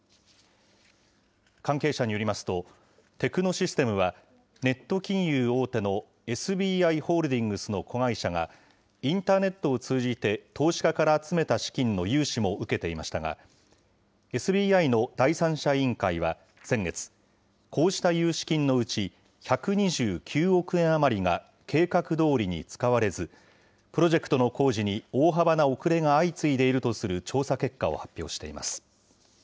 関係者によりますと、テクノシステムは、ネット金融大手のＳＢＩホールディングスの子会社が、インターネットを通じて投資家から集めた資金の融資も受けていましたが、ＳＢＩの第三者委員会は先月、こうした融資金のうち、１２９億円余りが計画どおりに使われず、プロジェクトの工事に大幅な遅れが相次いでいるとする調査結果を発表しています。